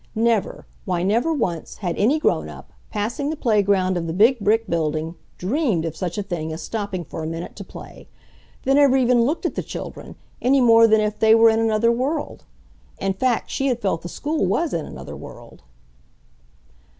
Never, why never once, had any grown up, passing the playground of the big brick building, DREAMED of such a thing as stopping for a minute to play. They never even looked at the children, any more than if they were in another world. In fact she had felt the school was in another world.